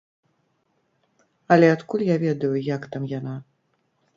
Але адкуль я ведаю, як там яна?